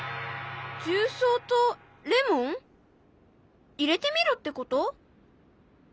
重曹とレモン？入れてみろってこと？